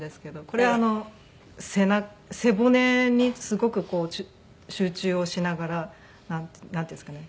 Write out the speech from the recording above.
これ背骨にすごく集中をしながらなんていうんですかね。